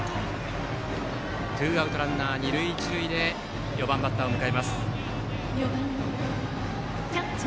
ツーアウトランナー、二塁一塁で４番バッターを迎えます。